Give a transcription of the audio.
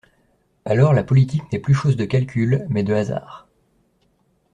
Alors la politique n’est plus chose de calcul, mais de ha sard.